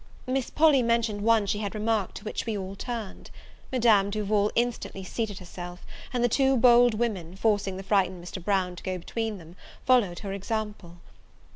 Miss Polly mentioned one she had remarked, to which we all turned. Madame Duval instantly seated herself; and the two bold women, forcing the frightened Mr. Brown to go between them, followed her example.